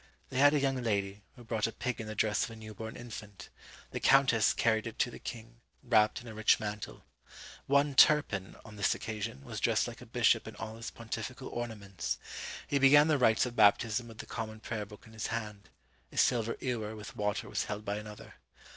They had a young lady, who brought a pig in the dress of a new born infant: the countess carried it to the king, wrapped in a rich mantle. One Turpin, on this occasion, was dressed like a bishop in all his pontifical ornaments. He began the rites of baptism with the common prayer book in his hand; a silver ewer with water was held by another.